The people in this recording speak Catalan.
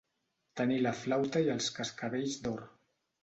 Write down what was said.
Tenir la flauta i els cascavells d'or.